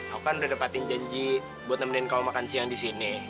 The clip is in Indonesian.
aku kan udah dapetin janji buat nemenin kalau makan siang di sini